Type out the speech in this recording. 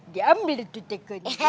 diambil tuh tekun